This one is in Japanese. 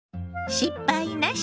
「失敗なし！